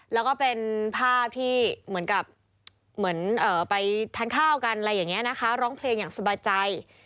แล้วก็เป็นภาพที่เหมือนไปทานข้าวกันร้องเพลงอย่างสบายใจ